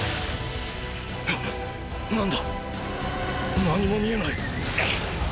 何だ⁉何も見えない！！